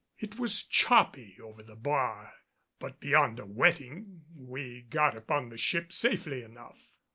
It was choppy over the bar, but beyond a wetting we got upon the ship safely enough.